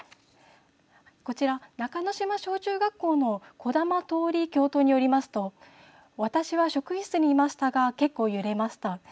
こちら、中之島小中学校の児玉徹教頭によりますと私は職員室にいましたが結構、揺れました。